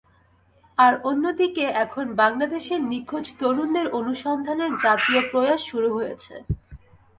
আর অন্যদিকে এখন বাংলাদেশে নিখোঁজ তরুণদের অনুসন্ধানের জাতীয় প্রয়াস শুরু হয়েছে।